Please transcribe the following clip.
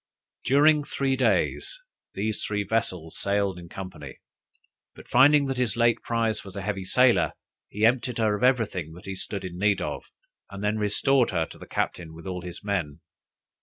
During three days, these three vessels sailed in company, but finding that his late prize was a heavy sailer, he emptied her of everything that he stood in need of, and then restored her to the captain with all his men.